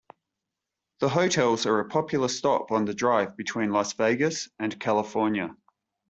The hotels are a popular stop on the drive between Las Vegas and California.